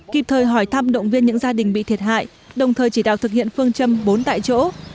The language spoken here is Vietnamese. kịp thời hỏi thăm động viên những gia đình bị thiệt hại đồng thời chỉ đạo thực hiện phương châm bốn tại chỗ